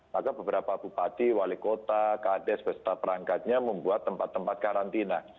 maka beberapa bupati wali kota kades beserta perangkatnya membuat tempat tempat karantina